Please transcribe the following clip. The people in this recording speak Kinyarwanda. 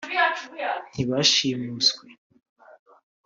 ntibashimuswe